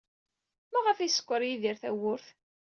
Maɣef ay yeskeṛ Yidir tawwurt?